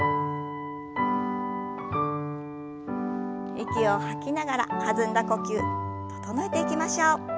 息を吐きながら弾んだ呼吸整えていきましょう。